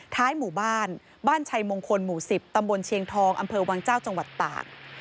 หมู่บ้านบ้านชัยมงคลหมู่๑๐ตำบลเชียงทองอำเภอวังเจ้าจังหวัดตาก